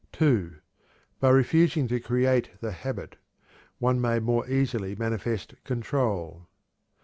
(2) By refusing to create the habit, one may more easily manifest control.